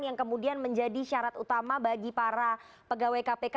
yang kemudian menjadi syarat utama bagi para pegawai kpk